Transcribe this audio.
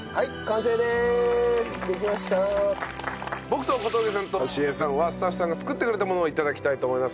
僕と小峠さんとトシ江さんはスタッフさんが作ってくれたものを頂きたいと思います。